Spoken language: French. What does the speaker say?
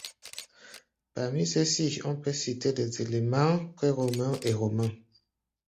Parmi ceux-ci, on peut citer des éléments pré-romains et romains.